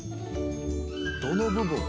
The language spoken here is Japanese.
どの部分？